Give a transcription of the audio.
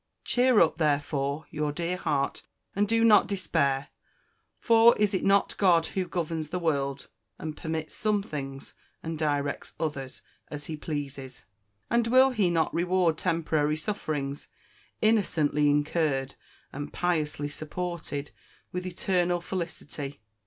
Cheer up, therefore, your dear heart, and do not despair; for is it not GOD who governs the world, and permits some things, and directs others, as He pleases? and will He not reward temporary sufferings, innocently incurred, and piously supported, with eternal felicity?